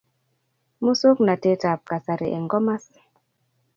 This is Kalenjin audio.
Musoknatetab kasari eng komas.